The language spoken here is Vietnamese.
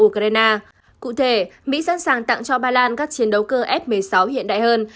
ukraine cụ thể mỹ sẵn sàng tặng cho ba lan các chiến đấu cơ f một mươi sáu hiện đại hơn